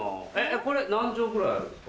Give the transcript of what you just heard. これ何帖ぐらいあるんですか？